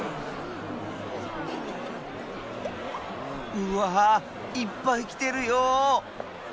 うわいっぱいきてるよ。